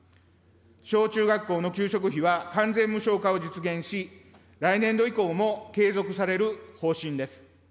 小中学校の給食費は完全無償化を実現し、来年度以降も継続される方針です。